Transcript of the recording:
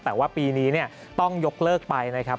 แต่ว่าปีนี้ต้องยกเลิกไปนะครับ